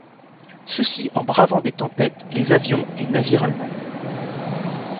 Ceci en bravant des tempêtes, les avions et navires allemands.